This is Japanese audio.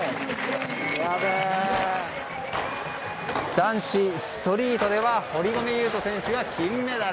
男子ストリートでは堀米雄斗選手が金メダル。